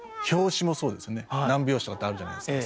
何拍子とかってあるじゃないですか。